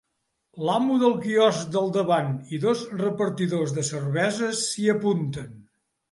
L'amo del quiosc del davant i dos repartidors de cerveses s'hi apunten.